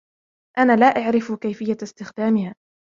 أنا لا أعرف كيفية استخدامها.